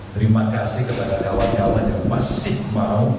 terima kasih kepada kawan kawan yang tetap setia sampai hari ini